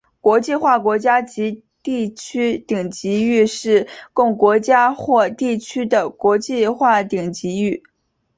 国际化国家及地区顶级域是供国家或地区的国际化顶级域。